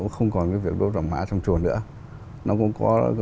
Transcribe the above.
không còn việc đốt vàng mã trong chùa nữa